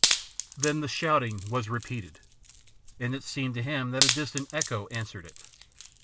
Then the shouting was repeated, and it seemed to him that a distant echo answered it.